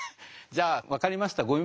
「じゃあ分かりました。